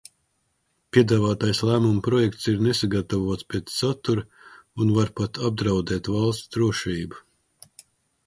Piedāvātais lēmuma projekts ir nesagatavots pēc satura un var pat apdraudēt valsts drošību.